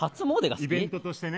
イベントとして。